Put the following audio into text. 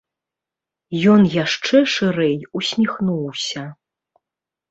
Ён яшчэ шырэй усміхнуўся.